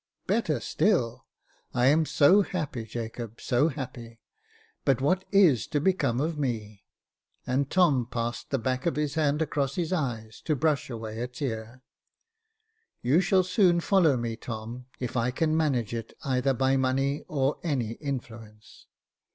" Better still. I am so happy, Jacob ; so happy. But what is to become of me ?" And Tom passed the back of his hand across his eyes to brush away a tear. You shall soon follow me, Tom, if I can manage it either by money or any influence."